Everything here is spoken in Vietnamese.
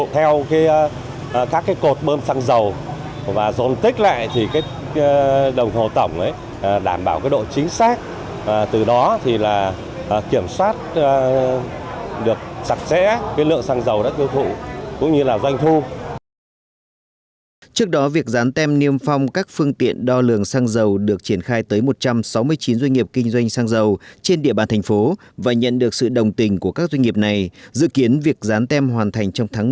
trước đó việc rán tem niêm phong các phương tiện đo lường xăng dầu được triển khai tới một trăm sáu mươi chín doanh nghiệp kinh doanh xăng dầu trên địa bàn thành phố và nhận được sự đồng tình của các doanh nghiệp này dự kiến việc rán tem hoàn thành trong tháng một mươi một năm hai nghìn một mươi sáu